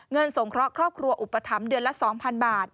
สงเคราะห์ครอบครัวอุปถัมภ์เดือนละ๒๐๐๐บาท